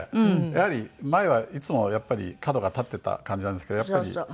やはり前はいつも角が立っていた感じなんですけどやっぱり